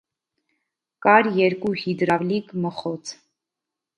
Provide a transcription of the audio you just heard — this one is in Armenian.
Կար երկու հիդրավլիկ մխոց։